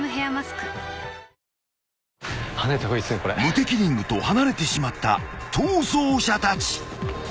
［無敵リングと離れてしまった逃走者たち］